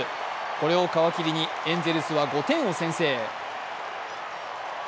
これを皮切りにエンゼルスは５点を先制。